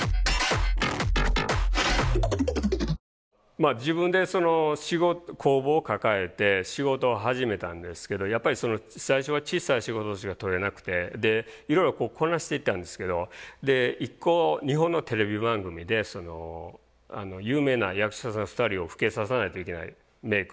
まあ自分で工房を抱えて仕事を始めたんですけどやっぱりその最初は小さい仕事しか取れなくていろいろこなしていたんですけど一個日本のテレビ番組で有名な役者さん２人を老けさせないといけないメイクの話があって。